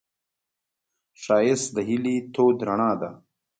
ښایست د هیلې تود رڼا ده